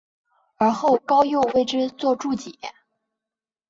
而后高诱为之作注解。